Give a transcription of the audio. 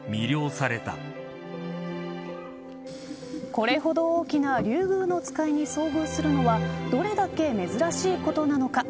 これほど大きなリュウグウノツカイに遭遇するのはどれだけ珍しいことなのか。